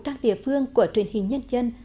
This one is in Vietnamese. trang địa phương của truyền hình nhân dân